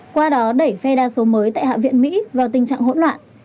qua đó đẩy phe đa số mới tại hạ viện mỹ vào tình trạng hỗn loạn